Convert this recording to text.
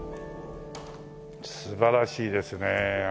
素晴らしいですね。